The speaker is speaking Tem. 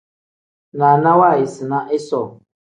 Naana waayisina isoo.